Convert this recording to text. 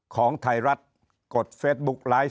ของไทยรัฐกดเฟสบุ๊คไลฟ์